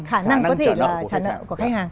khả năng trả nợ của khách hàng